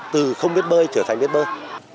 từ không biết bơi trở thành biết bơi